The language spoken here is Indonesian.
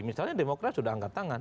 misalnya demokrat sudah angkat tangan